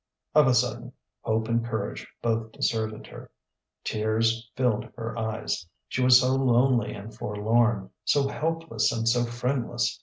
Of a sudden, hope and courage both deserted her. Tears filled her eyes: she was so lonely and forlorn, so helpless and so friendless.